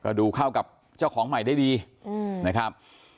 ดูเข้ากับเจ้าของใหม่ได้ดีนะครับ